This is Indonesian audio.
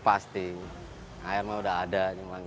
pasti airnya udah ada